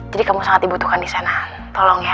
jadi kamu sangat dibutuhkan disana tolong ya